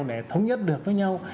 để thống nhất được với nhau